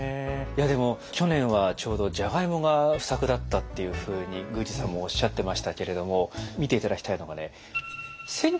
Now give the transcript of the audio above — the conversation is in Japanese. いやでも去年はちょうどジャガイモが不作だったっていうふうに宮司さんもおっしゃってましたけれども見て頂きたいのがね